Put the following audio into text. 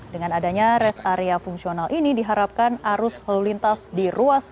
dengan adanya res area fungsional ini diharapkan arus lalu lintas di ruas